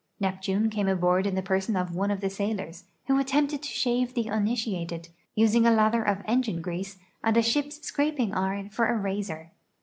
Neptune came aboard in the person of one of the sailors, who attempted to shave the uninitiated, using a lather of engine grease, and a shij^'s scraping iron for a razor.